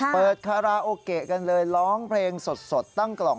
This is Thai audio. คาราโอเกะกันเลยร้องเพลงสดตั้งกล่อง